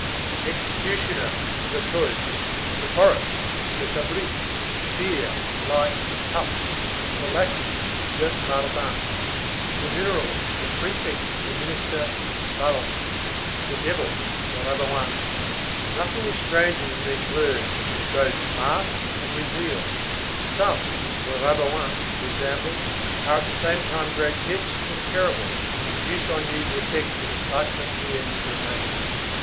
The executioner, le taule; the forest, le sabri; fear, flight, taf; the lackey, le larbin; the mineral, the prefect, the minister, pharos; the devil, le rabouin. Nothing is stranger than these words which both mask and reveal. Some, le rabouin, for example, are at the same time grotesque and terrible, and produce on you the effect of a cyclopean grimace.